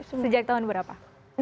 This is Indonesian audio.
sejak tahun berapa